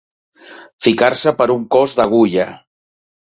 Ficar-se per un cos d'agulla.